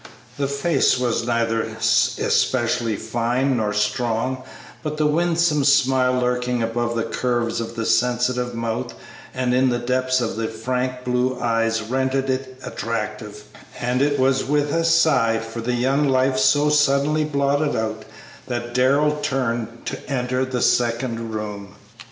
The face was neither especially fine nor strong, but the winsome smile lurking about the curves of the sensitive mouth and in the depths of the frank blue eyes rendered it attractive, and it was with a sigh for the young life so suddenly blotted out that Darrell turned to enter the second room.